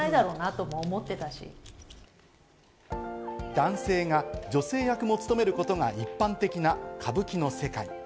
男性が女性役も勤めることが一般的な歌舞伎の世界。